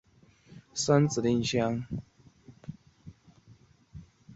业务四司的增设使国家宗教事务局的业务第一次拓展到五大宗教以外。